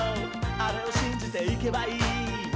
あれをしんじていけばいい」